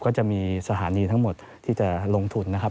ก็จะมีสถานีทั้งหมดที่จะลงทุนนะครับ